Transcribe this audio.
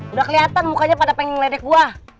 udah keliatan mukanya pada pengen ngeledek gua